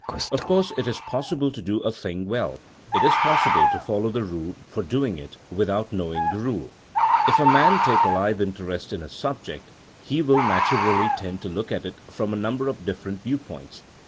Of course it is possible to do a thing well — it is possible to follow the rule for doing it — without knowing the rule. If a man take a live interest in a subject he will naturally tend to look at it from a number of different viewpoints.